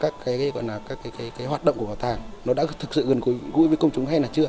các cái hoạt động của bảo tàng nó đã thực sự gần gũi với công chúng hay là chưa